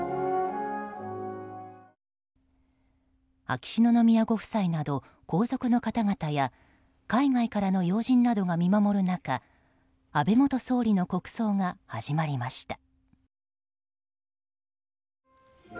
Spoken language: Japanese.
秋篠宮ご夫妻など皇族の方々や海外からの要人などが見守る中安倍元総理の国葬が始まりました。